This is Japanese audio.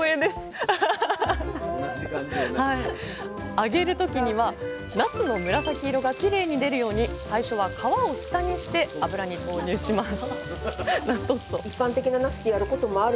揚げる時にはなすの紫色がきれいに出るように最初は皮を下にして油に投入します